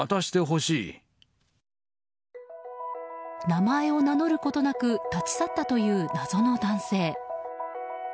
名前を名乗ることなく立ち去ったという謎の男性。